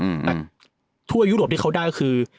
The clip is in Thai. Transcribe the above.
แต่ทั่วยุโรปที่เขาได้ก็คือ